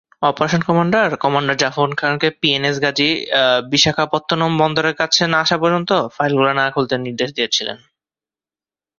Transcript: Operation commander commander Zafar খানকে PNS Ghazi Visakhapatnam বন্দরের কাছে না আসা পর্যন্ত ফাইলগুলি না খুলতে নির্দেশ দিয়েছিলেন।